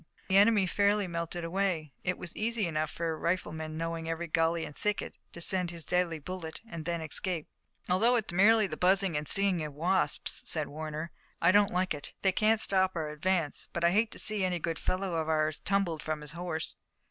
The enemy fairly melted away. It was easy enough for a rifleman, knowing every gully and thicket, to send in his deadly bullet and then escape. "Although it's merely the buzzing and stinging of wasps," said Warner, "I don't like it. They can't stop our advance, but I hate to see any good fellow of ours tumbled from his horse."